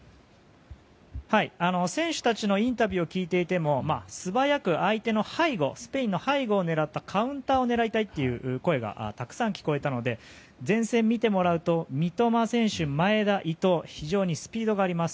選手たちのインタビューを聞いていても素早くスペインの背後を狙ったカウンターを狙いたいと声がたくさん聞こえたので前線を見てもらうと三笘、前田、伊東と非常にスピードがあります。